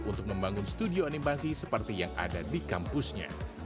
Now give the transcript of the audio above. untuk membangun studio animasi seperti yang ada di kampusnya